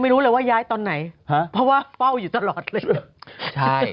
ไม่รู้เลยว่าย้ายตอนไหนฮะเพราะว่าเฝ้าอยู่ตลอดเลยเหรอใช่